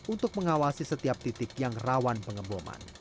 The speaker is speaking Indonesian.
untuk mengawasi setiap titik yang rawan pengeboman